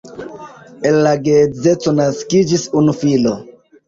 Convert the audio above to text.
El la geedzeco naskiĝis unu filo.